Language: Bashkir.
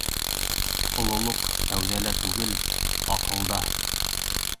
Ололоҡ кәүҙәлә түгел, аҡылда.